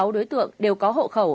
sáu đối tượng đều có hộ khẩu